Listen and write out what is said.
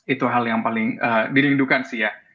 itu hal yang paling dirindukan sih ya